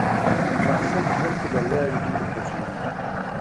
د محصل ژوند کې بریاوې ډېرې خوږې وي.